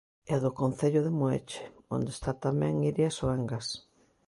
E do concello de Moeche, onde está tamén Iria Soengas.